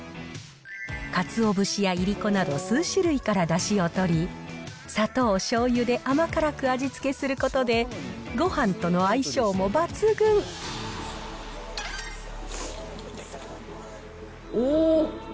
かつお節やいりこなど、数種類からだしをとり、砂糖、しょうゆで甘辛く味付けすることでおー。